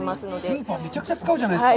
スーパー、めちゃくちゃ使うじゃないですか。